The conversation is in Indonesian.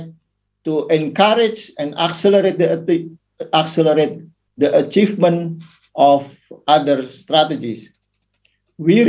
untuk mendorong dan mempercepat keuntungan strategi lain